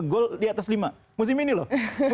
gol di atas lima musim ini loh